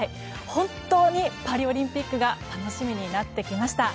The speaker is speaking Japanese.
本当にパリオリンピックが楽しみになってきました。